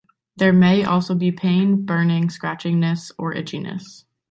There may also be pain, burning, scratchiness, or itchiness.